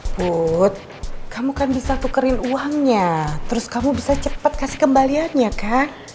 put kamu kan bisa tukerin uangnya terus kamu bisa cepat kasih kembaliannya kan